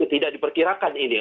tidak diperkirakan ini